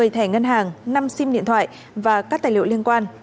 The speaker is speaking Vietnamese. một mươi thẻ ngân hàng năm sim điện thoại và các tài liệu liên quan